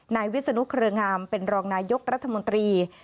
วิศนุเครืองามเป็นรองนายกรัฐมนตรี